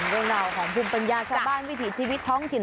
เรื่องราวของภูมิปัญญาชาวบ้านวิถีชีวิตท้องถิ่น